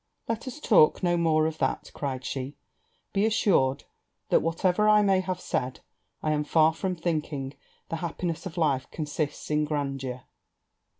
'Let us talk no more of that,' cried she; 'be assured that, whatever I may have said, I am far from thinking the happiness of life consists in grandeur.'